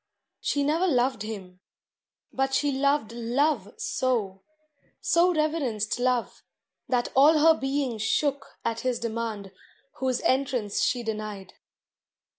She never loved him; but she loved Love so, So reverenced Love, that all her being shook At his demand whose entrance she denied.